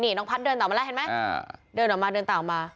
นี่น้องพัฒน์เดินต่อมาแล้วเห็นไหมเดินออกมาเดินตามมา